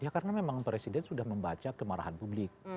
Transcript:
ya karena memang presiden sudah membaca kemarahan publik